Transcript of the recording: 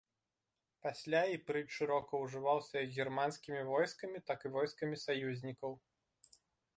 Пасля іпрыт шырока ўжываўся як германскімі войскамі, так і войскамі саюзнікаў.